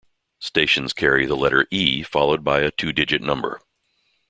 Stations carry the letter "E" followed by a two-digit number.